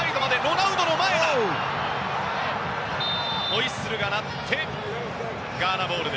ホイッスルが鳴ってガーナボール。